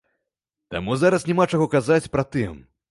Таму зараз няма чаго казаць пра тым.